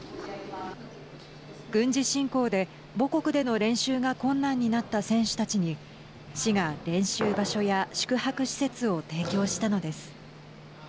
軍事侵攻で母国での練習が困難になった選手たちに市が練習場所や宿泊施設を提供したのです。